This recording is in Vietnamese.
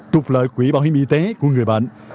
trục lợi quỹ bảo hiểm y tế của người bệnh